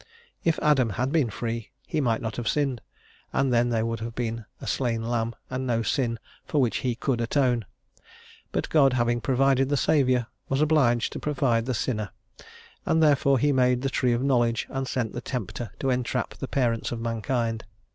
If Adam had been free, he might not have sinned, and then there would have been a slain lamb and no sin for which he could atone; but God, having provided the Saviour, was obliged to provide the sinner, and therefore he made the tree of knowledge and sent the tempter to entrap the parents of mankind.